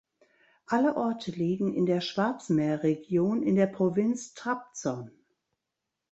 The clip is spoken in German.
Alle Orte liegen in der Schwarzmeerregion in der Provinz Trabzon.